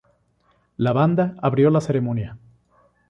La banda abrió la ceremonia.